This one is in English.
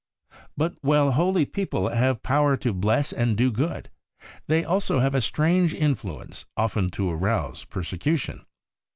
But while holy people have power to bless and do good, they also have a strange in fluence often to arouse persecution.